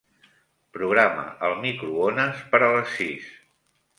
Programa el microones per a les sis.